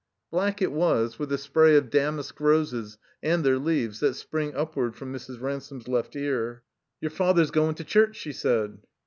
Black it was, with a spray of damask roses and their leaves, that spring upward from Mrs. Ransome's left ear. "Your father's goin' to church," she said.